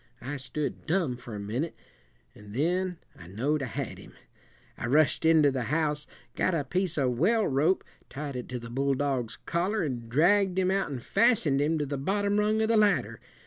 I stood dumb for a minute, and then I know'd I had him. I rushed into the house, got a piece of well rope, tied it to the bulldog's collar, an' dragged him out and fastened him to the bottom rung of the ladder.